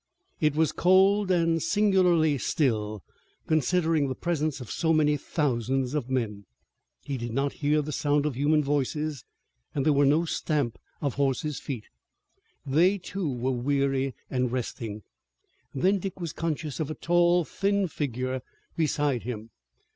It was cold and singularly still, considering the presence of so many thousands of men. He did not hear the sound of human voices and there was no stamp of horses' feet. They, too, were weary and resting. Then Dick was conscious of a tall, thin figure beside him.